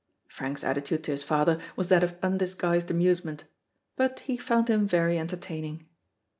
Frank's attitude to his father was that of undisguised amusement; but he found him very entertaining.